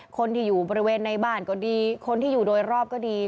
คนที่อยู่บริเวณในบ้านก็ดีคนที่อยู่โดยรอบก็ดี